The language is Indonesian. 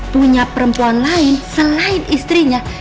punya perempuan lain selain istrinya